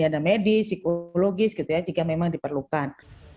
ada medis psikologis gitu ya jika memang diperlukan